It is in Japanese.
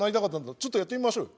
ちょっとやってみましょうよ。